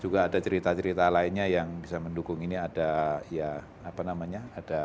juga ada cerita cerita lainnya yang bisa mendukung ini ada ya apa namanya